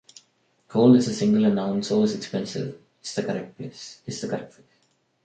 Gold is a singular noun, so "is expensive" is the correct phrase.